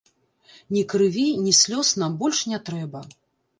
Ні крыві, ні слёз нам больш не трэба!